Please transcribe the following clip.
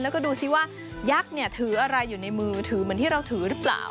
แล้วก็ดูซิว่ายักษ์ถืออะไรอยู่ในมือถือเหมือนที่เราถือหรือเปล่า